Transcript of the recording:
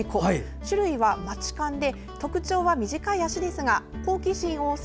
種類は、マチカンで特徴は短い足ですが、好奇心旺盛。